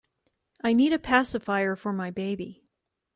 I need a pacifier for my baby.